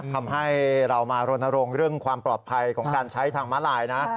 ทำให้เรามารณรงค์เรื่องความปลอดภัยของการใช้ทางม้าลายนะ